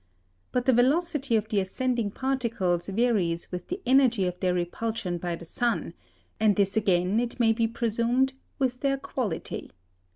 But the velocity of the ascending particles varies with the energy of their repulsion by the sun, and this again, it may be presumed, with their quality.